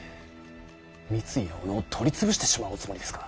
三井や小野を取り潰してしまうおつもりですか。